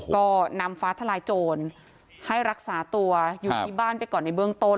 ก็นำฟ้าทลายโจรให้รักษาตัวอยู่ที่บ้านไปก่อนในเบื้องต้น